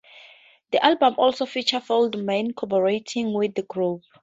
The album also featured Feldman collaborating with the group.